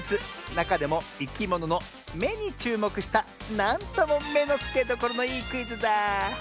なかでもいきものの「め」にちゅうもくしたなんともめのつけどころのいいクイズだ。